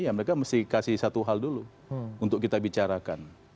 ya mereka mesti kasih satu hal dulu untuk kita bicarakan